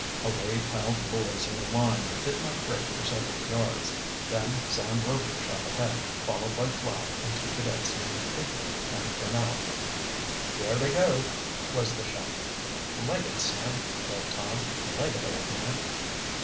Away piled the boys in a line that did not break for several yards. Then Sam Rover shot ahead, followed by Flapp and two cadets named Pigley and Franell. "There they go!" was the shout. "Leg it, Sam!" yelled Tom. "Leg it, old man!"